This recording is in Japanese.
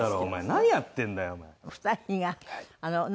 何やってんだよお前。